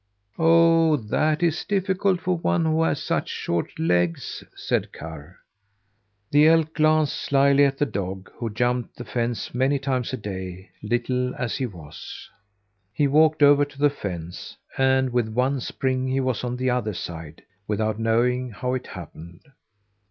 "Oh, that is difficult for one who has such short legs!" said Karr. The elk glanced slyly at the dog, who jumped the fence many times a day little as he was. He walked over to the fence, and with one spring he was on the other side, without knowing how it happened.